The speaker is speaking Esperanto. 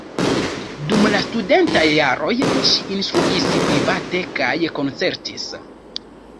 Dum la studentaj jaroj ŝi instruis private kaj koncertis.